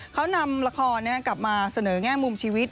เขานำละครกลับมาเสนอแง่มุมชีวิต